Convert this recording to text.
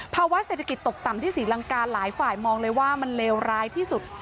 ภาวะเศรษฐกิจตกต่ำที่ศรีลังกาหลายฝ่ายมองเลยว่ามันเลวร้ายที่สุด